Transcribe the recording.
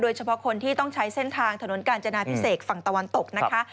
เฉพาะคนที่ต้องใช้เส้นทางถนนกาญจนาพิเศษฝั่งตะวันตกนะคะ